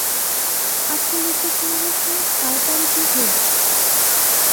আচ্ছা লেখকমহাশয়, তার পরে কী হইল।